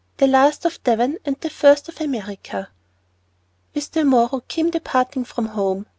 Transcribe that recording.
THE LAST OF DEVON AND THE FIRST OF AMERICA. WITH the morrow came the parting from home.